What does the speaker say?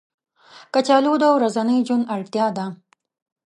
کچالو د ورځني ژوند اړتیا ده